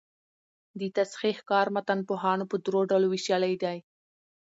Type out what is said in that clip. د تصحیح کار متنپوهانو په درو ډلو ویشلی دﺉ.